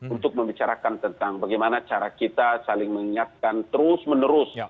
untuk membicarakan tentang bagaimana cara kita saling mengingatkan terus menerus